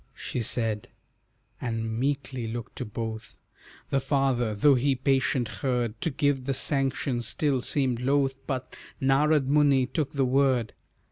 She said, and meekly looked to both. The father, though he patient heard, To give the sanction still seemed loth, But Narad Muni took the word.